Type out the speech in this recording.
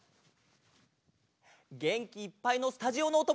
げんきいっぱいのスタジオのおともだちも。